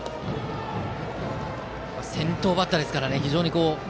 先頭バッターですからね。